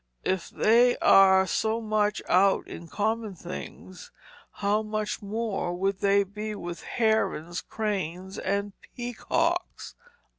If they are so much out in common Things, how much more would they be with Herons, Cranes, and Peacocks."